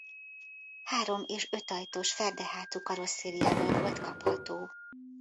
Három- és ötajtós ferde hátú karosszériával volt kapható.